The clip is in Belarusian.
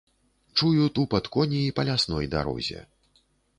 Чую тупат коней па лясной дарозе.